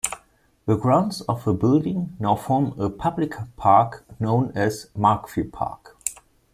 The grounds of the building now form a public park known as Markfield Park.